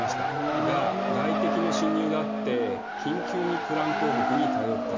が外敵の侵入があって緊急にフランク王国に頼ったと。